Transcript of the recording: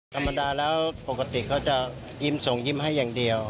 ธรรมดาแล้วปกติเขาจะยิ้มส่งยิ้มให้อย่างเดียว